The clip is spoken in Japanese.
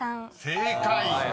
［正解］